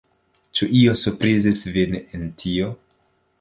Ĉu io surprizis vin en tio?